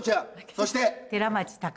そして。